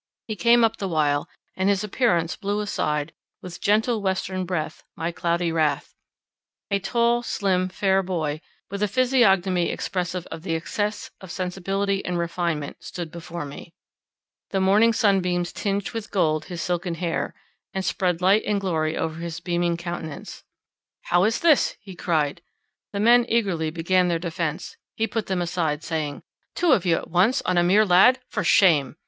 He came up the while; and his appearance blew aside, with gentle western breath, my cloudy wrath: a tall, slim, fair boy, with a physiognomy expressive of the excess of sensibility and refinement stood before me; the morning sunbeams tinged with gold his silken hair, and spread light and glory over his beaming countenance. "How is this?" he cried. The men eagerly began their defence; he put them aside, saying, "Two of you at once on a mere lad— for shame!"